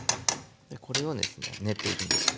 これをですね練っていくんですけども。